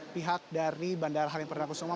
pihak dari bandara halim perdana kusuma